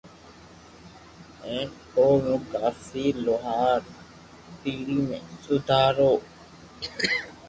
ھين او مون ڪافي لوھار پيڙي ۾ سودھارو